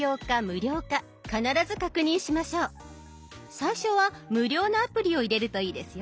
最初は無料のアプリを入れるといいですよ。